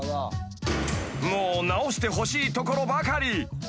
［もう直してほしいところばかり］